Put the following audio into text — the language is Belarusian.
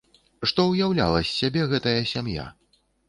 Што ўяўляла з сябе гэтая сям'я?